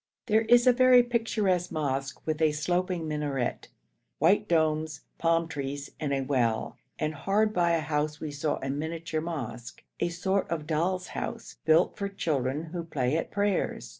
There is a very picturesque mosque with a sloping minaret, white domes, palm trees, and a well, and hard by a house we saw a miniature mosque a sort of doll's house built for children who play at prayers.